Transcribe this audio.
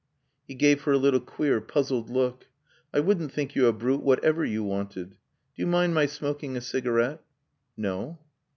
He gave her a little queer, puzzled look. "I wouldn't think you a brute whatever you wanted. Do you mind my smoking a cigarette?" "No."